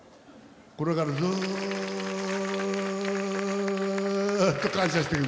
これからずっと感謝していく。